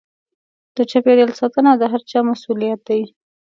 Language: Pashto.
د چاپېريال ساتنه د هر چا مسووليت دی.